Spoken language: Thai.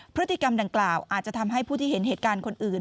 พฤติกรรมดังกล่าวอาจจะทำให้ผู้ที่เห็นเหตุการณ์คนอื่น